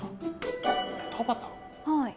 はい。